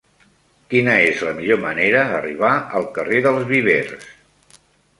Quina és la millor manera d'arribar al carrer dels Vivers?